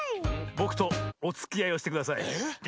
ぼくとおつきあいをしてください。